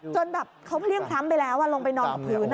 จนแบบเขาเพลี่ยงพล้ำไปแล้วลงไปนอนกับพื้น